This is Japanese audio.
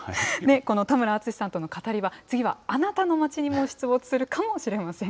この田村淳さんとのカタリバ、次はあなたの街にも出没するかもしれません。